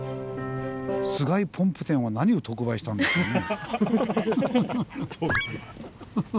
菅井ポンプ店は何を特売したんでしょうね？